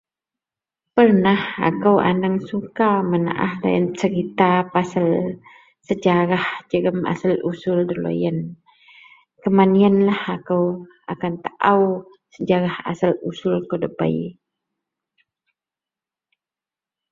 Pernah aku anang suka mena'ah lo yian cerita pasal sejarah jegam asal-usul the lo yian. Keman yianlah aku akan tau sejarah asal usul ko debai.